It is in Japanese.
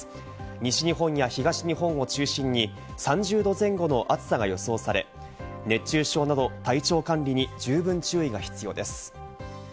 西日本や東日本を中心に３０度前後の暑さが予想され、熱中症など体調管理に十分注意が必要です。